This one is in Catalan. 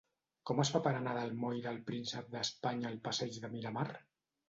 Com es fa per anar del moll del Príncep d'Espanya al passeig de Miramar?